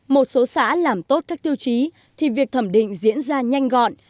một số xã làm tốt các tiêu chí thì việc thẩm định diễn ra nhanh gọn